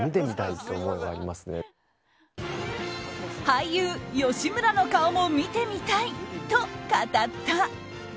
俳優・吉村の顔も見てみたいと語った。